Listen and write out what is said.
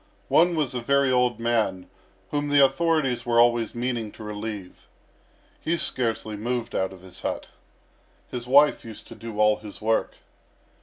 One was a very old man, whom the authorities were always meaning to relieve. He scarcely moved out of his hut. His wife used to do all his work.